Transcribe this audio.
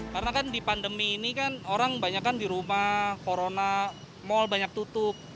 karena kan di pandemi ini kan orang banyak kan di rumah corona mall banyak tutup